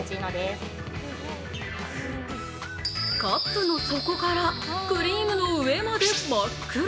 カップの底からクリームの上まで真っ黒。